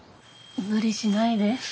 無理しないで。